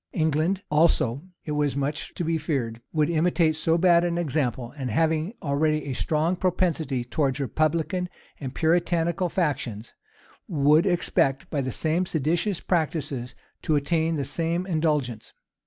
England also, it was much to be feared, would imitate so bad an example; and having already a strong propensity towards republican and Puritanical factions, would expect, by the same seditious practices, to attain the same indulgence.